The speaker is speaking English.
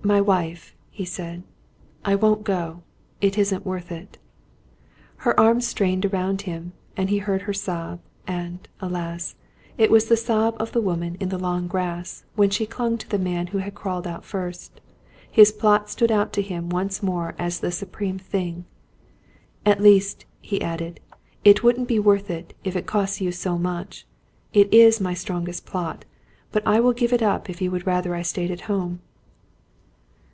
"My wife," he said, "I won't go. It isn't worth it." Her arms strained around him, and he heard her sob; and, alas it was the sob of the woman in the long grass, when she clung to the man who had crawled out first. His plot stood out to him once more as the supreme thing. "At least," he added, "it wouldn't be worth it, if it costs you so much. It is my strongest plot, but I will give it up if you would rather I stayed at home."